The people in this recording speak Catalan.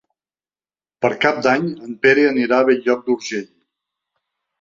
Per Cap d'Any en Pere anirà a Bell-lloc d'Urgell.